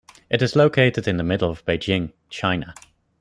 It is located in the middle of Beijing, China.